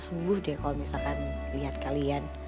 sungguh deh kalau misalkan lihat kalian